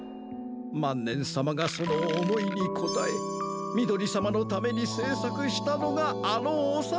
まんねんさまがそのおもいにこたえみどりさまのためにせいさくしたのがあのおさらなのです。